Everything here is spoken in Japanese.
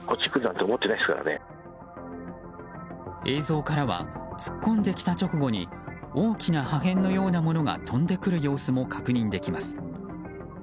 映像からは突っ込んできた直後に大きな破片のようなものが飛んでくる様子も確認できます。